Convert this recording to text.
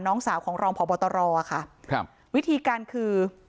น้องสาวของรองพบตรค่ะครับวิธีการคือ